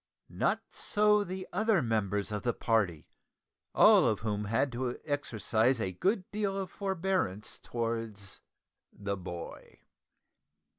Not so the other members of the party, all of whom had to exercise a good deal of forbearance towards the boy.